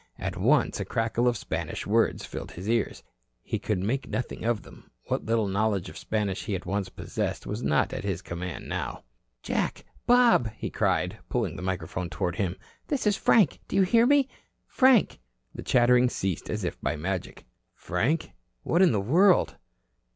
At once a crackle of Spanish words filled his ears. He could make nothing of them. What little knowledge of Spanish he once had possessed was not at his command now. "Jack, Bob," he cried, pulling the microphone toward him. "This is Frank. Do you hear me? Frank." The chattering ceased as if by magic. "Frank? What in the world?"